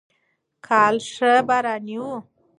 کال ښه باراني و.